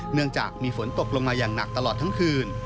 เนื่องจากมีฝนตกลงมาอย่างหนักตลอดทั้งคืน